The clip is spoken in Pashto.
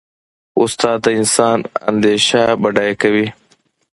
استاد د انسان اندیشه بډایه کوي.